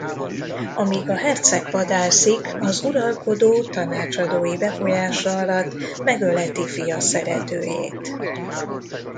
Amíg a herceg vadászik az uralkodó tanácsadói befolyása alatt megöleti fia szeretőjét.